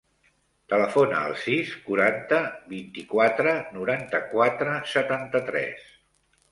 Telefona al sis, quaranta, vint-i-quatre, noranta-quatre, setanta-tres.